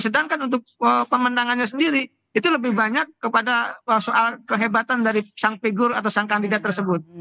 sedangkan untuk pemenangannya sendiri itu lebih banyak kepada soal kehebatan dari sang figur atau sang kandidat tersebut